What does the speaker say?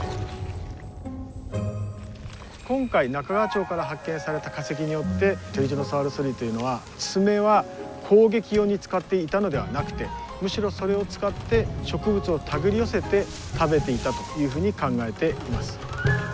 今回中川町から発見された化石によってテリジノサウルス類というのは爪は攻撃用に使っていたのではなくてむしろそれを使って植物を手繰り寄せて食べていたというふうに考えています。